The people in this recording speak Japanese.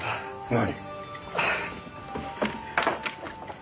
何？